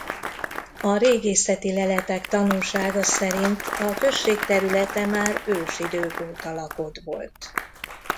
A régészeti leletek tanúsága szerint a község területe már ősidők óta lakott volt.